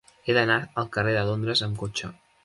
He d'anar al carrer de Londres amb cotxe.